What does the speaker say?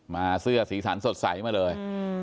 เสื้อสีสันสดใสมาเลย